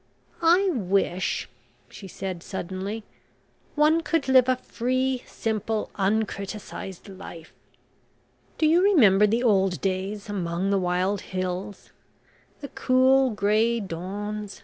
"I wish," she said suddenly, "one could live a free, simple, uncriticised life. Do you remember the old days among the wild hills? The cool grey dawns...